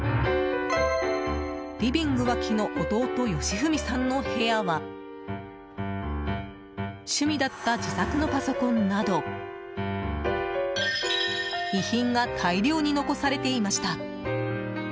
リビング脇の弟・吉文さんの部屋は趣味だった自作のパソコンなど遺品が大量に残されていました。